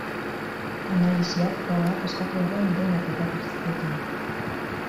Analisiak, frogak... eskatu arren, denak ukatu zizkioten.